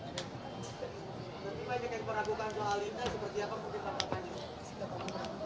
berarti kalian meragukan soal linda seperti apa mungkin pertanyaannya